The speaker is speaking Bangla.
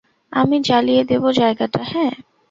আমি জ্বালিয়ে দেবো জায়গাটা, হ্যাঁ।